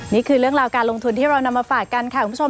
นี่คือเรื่องราวการลงทุนที่เรานำมาฝากกันค่ะคุณผู้ชม